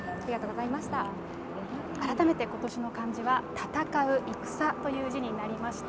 改めて今年の漢字は、戦う、戦という字になりました。